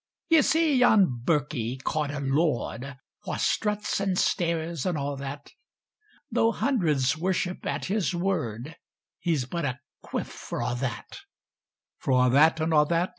Ye see yon birkie, ca'd a lord, Wha struts, and stares, and a' that; Tho' hundreds worship at his word, He's but a cuif for a' that: For a' that, and a' that.